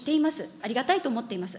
ありがたいと思っています。